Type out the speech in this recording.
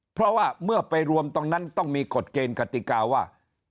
เพราะว่าเมื่อไปรวมตรงนั้นต้องมีกฎเกณฑ์กติกาว่า